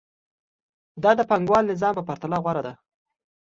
دا د پانګوال نظام په پرتله غوره دی